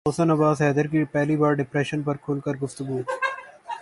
محسن عباس حیدر کی پہلی بار ڈپریشن پر کھل کر گفتگو